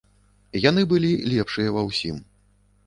Яны былі лепшыя ва ўсім.